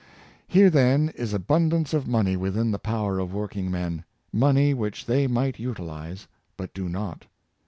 Here, then, is abundance of money within the power of working men — money which they might utilize, but do not.